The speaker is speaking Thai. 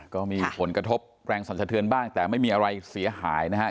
ก็มีผลกระทบแรงสันสะเทือนบ้างแต่ไม่มีอะไรเสียหายนะครับ